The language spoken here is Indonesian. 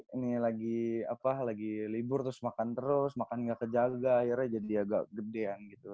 ini lagi libur terus makan terus makan nggak kejaga akhirnya jadi agak gedean gitu